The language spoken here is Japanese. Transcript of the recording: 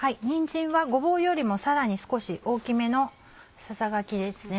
にんじんはごぼうよりもさらに少し大きめのささがきです。